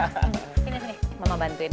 sini sini mama bantuin